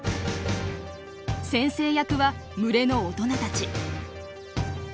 先生役は群れの大人たち。